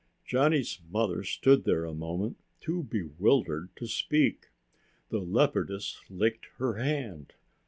Johnny's mother stood there a moment, too bewildered to speak. The leopardess licked her hand.